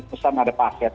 pesan ada paket